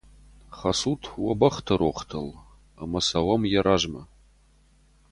Хӕцут уӕ бӕхты рохтыл ӕмӕ цӕуӕм йӕ размӕ.